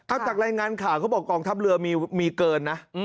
เอาจากรายงานข่าวเขาบอกกองทัพเรือมีเกินนะ